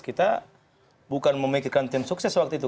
kita bukan memikirkan tim sukses waktu itu